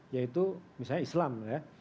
yaitu misalnya islam ya